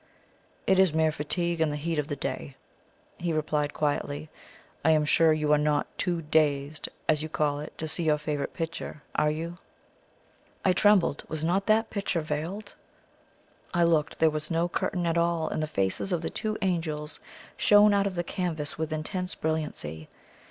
"It is mere fatigue and the heat of the day," he replied quietly. "I am sure you are not too DAZED, as you call it, to see your favourite picture, are you?" I trembled. Was not that picture veiled? I looked there was no curtain at all, and the faces of the two Angels shone out of the canvas with intense brilliancy!